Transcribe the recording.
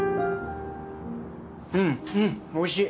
うんうんおいしい！